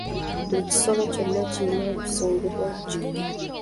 Buli kisolo kyonna kiyina obusungu bwakyo.